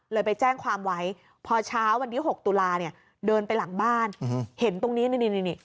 ไปแจ้งความไว้พอเช้าวันที่๖ตุลาเนี่ยเดินไปหลังบ้านเห็นตรงนี้นี่นี่